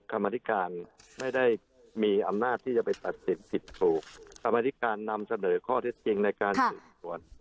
กรรมธิการไม่ได้มีอำนาจที่จะไปตัดสินผิดถูกกรรมธิการนำเสนอข้อเท็จจริงในการสืบสวน